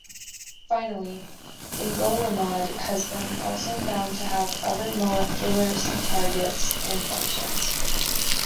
Finally, fingolimod has been also found to have other molecular targets and functions.